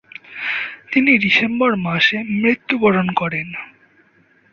তিনি ডিসেম্বর মাসে মৃত্যুবরণ করেন।